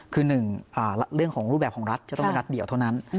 คือหนึ่งเรื่องของรูปแบบของรัฐจะต้องเป็นรัฐเดียวเท่านั้น